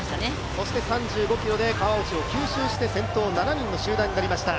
そして３５ｋｍで川内を吸収して、先頭は７人の集団になりました。